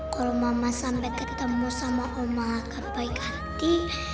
kalau mama sampai ketemu sama oma akan baik hati